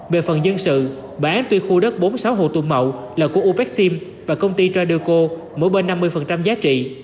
về phần dân sự bản án tuy khu đất bốn sáu hồ tùng mậu là của ubixim và công ty trader co mỗi bên năm mươi giá trị